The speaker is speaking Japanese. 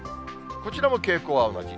こちらも傾向は同じ。